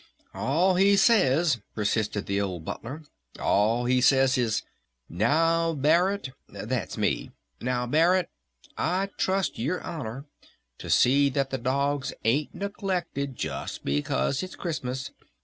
"All he says," persisted the old Butler. "All he says is 'Now Barret,' that's me, 'Now Barret I trust your honor to see that the dogs ain't neglected just because it's Christmas.